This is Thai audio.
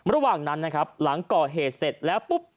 ระหว่างนั้นนะครับหลังก่อเหตุเสร็จแล้วปุ๊บ